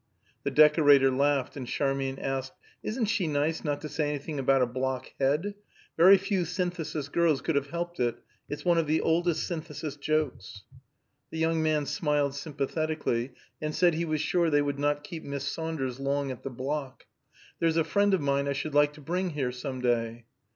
The decorator laughed, and Charmian asked, "Isn't she nice not to say anything about a block head? Very few Synthesis girls could have helped it; it's one of the oldest Synthesis jokes." The young man smiled sympathetically, and said he was sure they would not keep Miss Saunders long at the block. "There's a friend of mine I should like to bring here, some day."